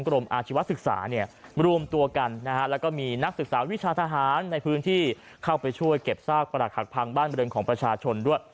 แล้วก็มีนักศึกษาวิชาทหารในพื้นที่เข้าไปช่วยเก็บซากประหลักหักพังบ้านบริเวณของประชาชนด้วย